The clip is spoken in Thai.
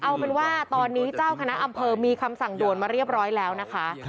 เอาเป็นว่าตอนนี้เจ้าคณะอำเภอมีคำสั่งด่วนมาเรียบร้อยแล้วนะคะ